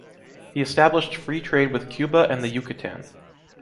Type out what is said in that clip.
He established free trade with Cuba and the Yucatán.